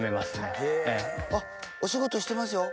あっお仕事してますよ